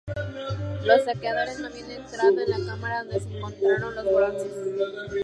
Los saqueadores no habían entrado en la cámara donde se encontraron los bronces.